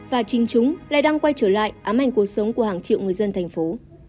và chính chúng lại đang quay trở lại ám ảnh cuộc sống của hàng triệu người dân thành phố